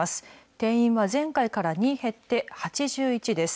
定員は前回から２減って、８１です。